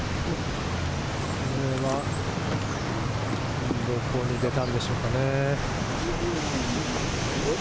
これは、どこに出たんでしょうかね？